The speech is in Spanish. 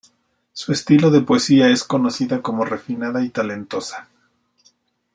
Su estilo de poesía es conocida como refinada y talentosa.